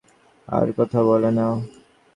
আর কথা বলে না।